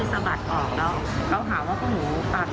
สาดก็โดนไหล่หมดแล้วก็